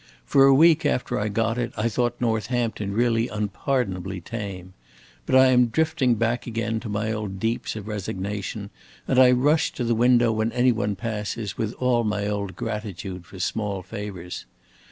For a week after I got it I thought Northampton really unpardonably tame. But I am drifting back again to my old deeps of resignation, and I rush to the window, when any one passes, with all my old gratitude for small favors.